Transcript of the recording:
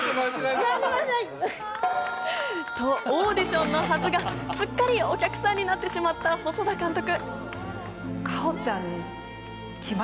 オーディションのはずがすっかりお客さんになってしまった細田監督。